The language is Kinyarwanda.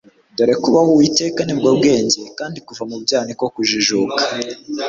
Dore kubaha Uwiteka nibwo bwenge, kandi kuva mu byaha niko kujijuka.